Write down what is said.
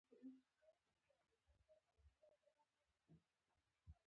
ګڼه، زه په ځان مين د سر ښندل څوک